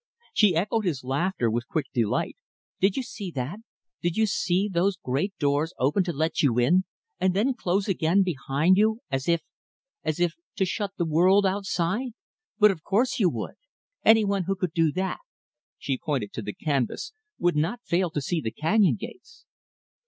She echoed his laughter with quick delight. "Did you see that? Did you see those great doors open to let you in, and then close again behind you as if to shut the world outside? But of course you would. Any one who could do that" she pointed to the canvas "would not fail to see the canyon gates."